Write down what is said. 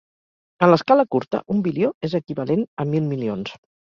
En l'escala curta, un bilió és equivalent a mil milions.